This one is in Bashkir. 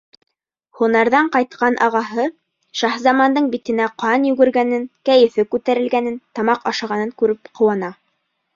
Һунарҙан ҡайтҡан ағаһы Шаһзамандың битенә ҡан йүгергәнен, кәйефе күтәрелгәнен, тамаҡ ашағанын күреп ҡыуана.